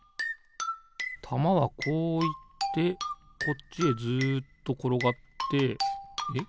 たまはこういってこっちへずっところがってえっ